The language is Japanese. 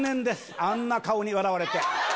あんな顔に笑われて。